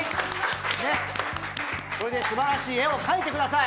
これで素晴らしい絵を描いてください。